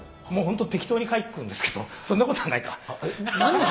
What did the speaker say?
ホント適当に書くんですけどそんなことはないか。